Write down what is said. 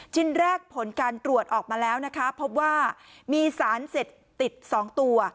ชิ้นแรกผลการตรวจออกมาแล้วนะคะพบว่ามีสารเสพติด๒ตัว